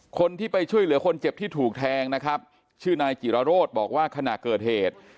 คนที่ไปช่วยเหลือคนเจ็บที่ถูกแทงนะครับชื่อนายจิรโรธบอกว่าขณะเกิดเหตุ